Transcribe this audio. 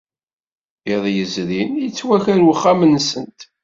Iḍ yezrin, yettwaker wexxam-nsent.